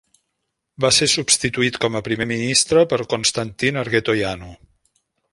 Va ser substituït com a primer ministre per Constantin Argetoianu.